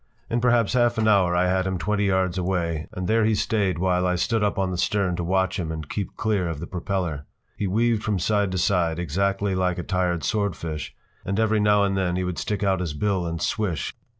In perhaps half an hour I had him twenty yards away, and there he stayed while I stood up on the stern to watch him and keep clear of the propeller. He weaved from side to side, exactly like a tired swordfish, and every now and then he would stick out his bill and swish!